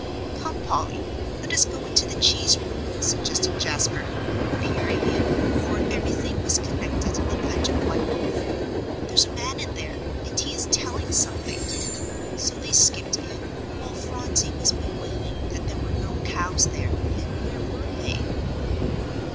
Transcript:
"Come, Polly, let us go into the cheese room," suggested Jasper, peering in, for everything was connected and under one roof. "There's a man in there, and he is telling something;" so they skipped in, while Phronsie was bewailing that there were no cows there, and where were they?